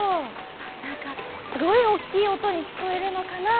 なんかすごいおっきいおとにきこえるのかなあっておもって。